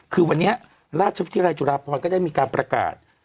คือวันนี้ราชวิทยาลัยจุฬาพรก็ได้มีการประกาศ